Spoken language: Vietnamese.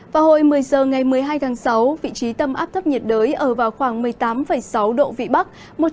vào hồi một mươi giờ ngày một mươi hai tháng sáu vị trí tâm áp thấp nhiệt đới ở vào khoảng một mươi tám sáu độ vĩ bắc